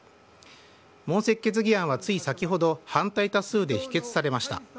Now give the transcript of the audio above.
問責決議案はつい先ほど反対多数で否決されました。